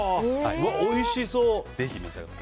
おいしそう。